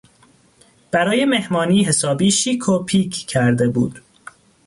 برای مهمانی حسابی شیک و پیک کرده بود.